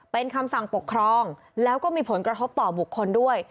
เป็นคำสั่งปกครองแล้วก็มีผลกระทบต่อบุคคลด้วย